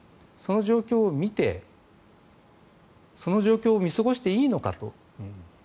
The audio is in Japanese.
その状況を見てその状況を見過ごしていいのかと。